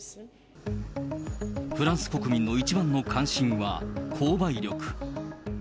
フランス国民の一番の関心は、購買力。